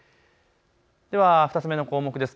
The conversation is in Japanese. では２つ目の項目です。